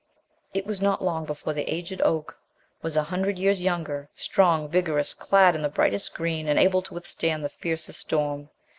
!T was not long before the aged oak was a hun dred years younger ; strong, vigorous, clad in the brightest green and able to withstand the fiercest storm.